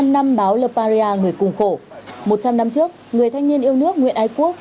một trăm linh năm báo leparia người cùng khổ một trăm linh năm trước người thanh niên yêu nước nguyễn ái quốc